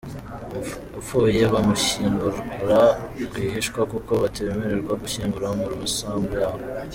Upfuye bamushyingura rwihishwa kuko batemerewe gushyingura mu masambu yabo.